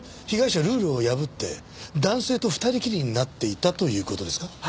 被害者はルールをやぶって男性と２人きりになっていたという事ですか？